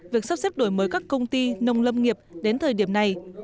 việc sắp xếp đổi mới các công ty nông lâm nghiệp đến thời điểm này